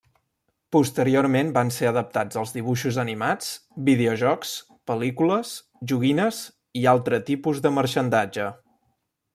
Posteriorment van ser adaptats als dibuixos animats, videojocs, pel·lícules, joguines i altre tipus de marxandatge.